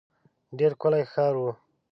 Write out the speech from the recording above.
ډېر ښکلی ښار وو.